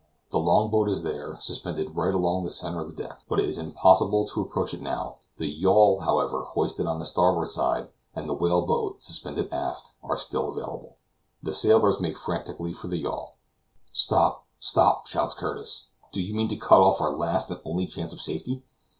The long boat is there, suspended right along the center of the deck; but it is impossible to approach it now; the yawl, however, hoisted on the starboard side, and the whale boat suspended aft, are still available. The sailors make frantically for the yawl. "Stop, stop," shouts Curtis; "do you mean to cut off our last and only chance of safety?